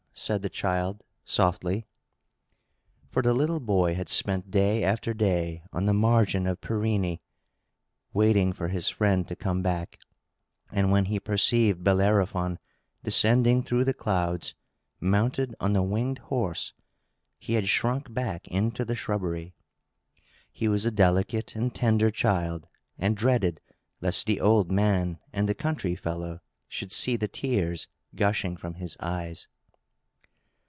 said the child, softly. For the little boy had spent day after day on the margin of Pirene, waiting for his friend to come back; but when he perceived Bellerophon descending through the clouds, mounted on the winged horse, he had shrunk back into the shrubbery. He was a delicate and tender child, and dreaded lest the old man and the country fellow should see the tears gushing from his eyes.